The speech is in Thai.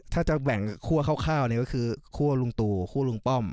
ถ้าจะแบ่งคั่วคร่าวก็คือคั่วลุงตู่คั่วลุงป้อม